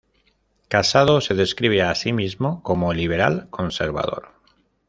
Casado se describe a sí mismo como liberal-conservador.